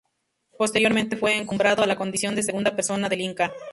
Posteriormente fue encumbrado a la condición de "segunda persona" del Inca.